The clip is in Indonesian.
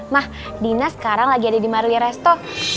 ma dina sekarang lagi ada di marlia resto